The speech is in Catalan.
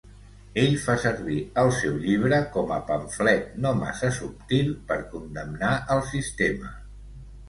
Ell fa servir el seu llibre com a pamflet no massa subtil per condemnar el sistema.